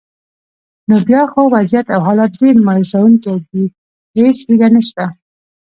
نو بیا خو وضعیت او حالات ډېر مایوسونکي دي، هیڅ هیله نشته.